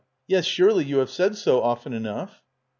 Yes, surely you have said so often enough.